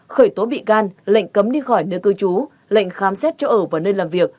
khởi tố bị can lệnh cấm đi khỏi nơi cư trú lệnh khám xét chỗ ở và nơi làm việc